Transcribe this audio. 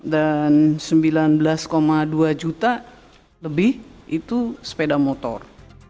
dan sembilan belas dua juta lebih itu sepeda motor